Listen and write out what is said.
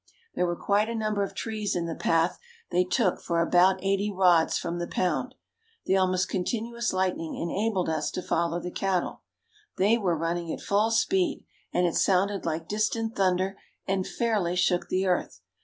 There were quite a number of trees in the path they took for about eighty rods from the pound. The almost continuous lightning enabled us to follow the cattle. They were running at full speed and it sounded like distant thunder and fairly shook the earth.